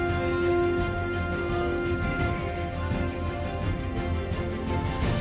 ไม่อยู่ช่วงที่หัวใจมีอะไรอยู่